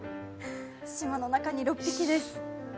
島の中に６匹です。